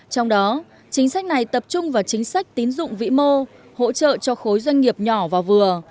trong đó chính sách này tập trung vào chính sách tín dụng vĩ mô hỗ trợ cho khối doanh nghiệp nhỏ và vừa